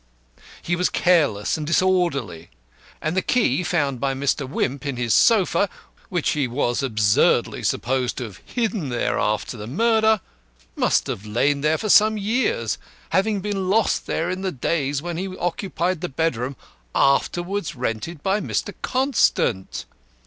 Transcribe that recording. He was careless and disorderly, and the key found by Mr. Wimp in his sofa, which he was absurdly supposed to have hidden there after the murder, must have lain there for some years, having been lost there in the days when he occupied the bedroom afterwards rented by Mr. Constant.